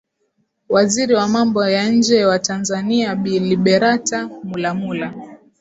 Waziri wa Mambo ya Nje wa Tanzania Bi Liberata Mulamula